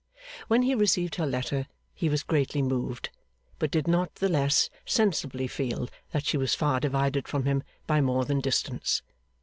When he received her letter he was greatly moved, but did not the less sensibly feel that she was far divided from him by more than distance.